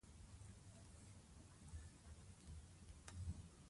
ده په ټیلیفون کې وویل چې په پټه روژه نیولې وه.